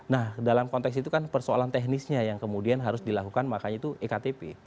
nah dalam konteks itu kan persoalan teknisnya yang kemudian harus dilakukan makanya itu ektp